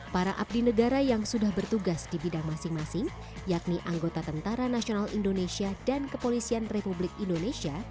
para abdi negara yang sudah bertugas di bidang masing masing yakni anggota tentara nasional indonesia dan kepolisian republik indonesia